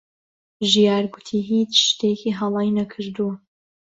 ژیار گوتی هیچ شتێکی هەڵەی نەکردووە.